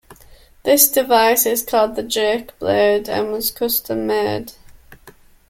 This device is called the "Jake Blade" and was custom made.